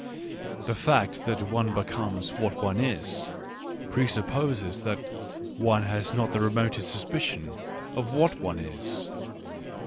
The fact that one becomes what one is, presupposes that one has not the remotest suspicion of what one is.